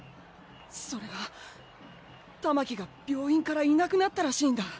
それがたまきが病院からいなくなったらしいんだ